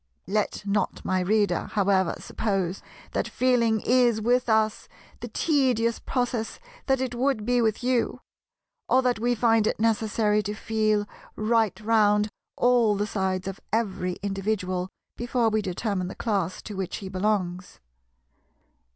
Let not my Reader however suppose that "feeling" is with us the tedious process that it would be with you, or that we find it necessary to feel right round all the sides of every individual before we determine the class to which he belongs.